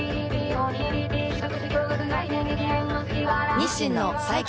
日清の最強